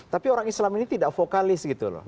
tapi orang islam ini tidak vokalis